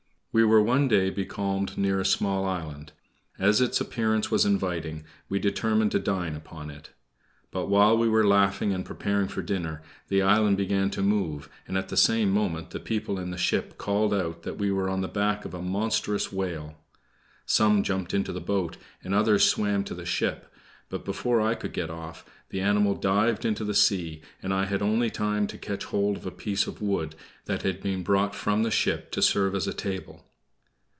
We were one day becalmed near a small island. As its appearance was inviting, we determined to dine upon it. But while we were laughing and preparing for dinner, the island began to move, and at the same moment the people in the ship called out that we were on the back of a monstrous whale. Some jumped into the boat, and others swam to the ship; but before I could get off the animal dived into the sea, and I had only time to catch hold of a piece of wood that had been brought from the ship to serve as a table.